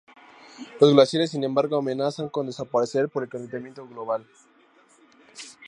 Los glaciares, sin embargo, amenazan con desaparecer por el calentamiento global.